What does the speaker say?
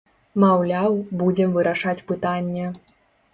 Маўляў, будзем вырашаць пытанне.